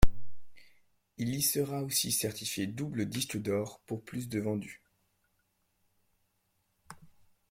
Il y sera aussi certifié double disque d'or pour plus de vendus.